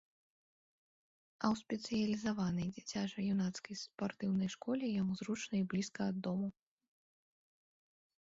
А ў спецыялізаванай дзіцяча-юнацкай спартыўнай школе яму зручна і блізка ад дому.